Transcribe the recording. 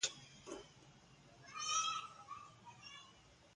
د خان اباد له چارتوت څخه د بولدک تر شیرو اوبو پورې.